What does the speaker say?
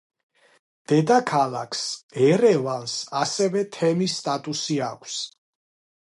დედაქალაქს, ერევანს, ასევე თემის სტატუსი აქვს.